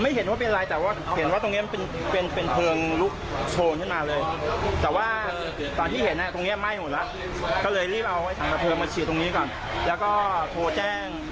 แล้วก็โทรแจ้งพี่ดับเพลิงต่างสายแล้วผมก็โทรบอกให้เขารีบมา